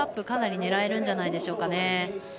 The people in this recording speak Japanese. かなり狙えるんじゃないでしょうかね。